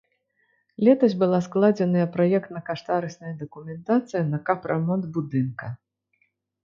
Летась была складзеная праектна-каштарысная дакументацыя на капрамонт будынка.